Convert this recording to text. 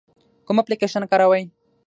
کوم اپلیکیشن کاروئ؟